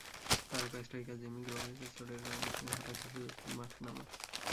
তারকা striker Jimmy গ্রেভেসের চোটের কারণে তিনি হঠাত্ই সুযোগ পান মাঠে নামার।